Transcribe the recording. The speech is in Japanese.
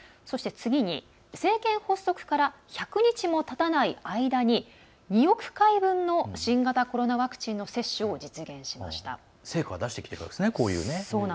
そして、次に政権発足から１００日もたたない間に２億回分の新型コロナワクチン接種を実現しました。